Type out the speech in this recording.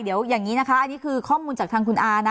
เดี๋ยวอย่างนี้นะคะอันนี้คือข้อมูลจากทางคุณอานะ